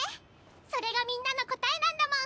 それがみんなの答えなんだもん。